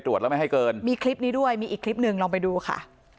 ตรวจแล้วไม่ให้เกินมีคลิปนี้ด้วยมีอีกคลิปหนึ่งลองไปดูค่ะ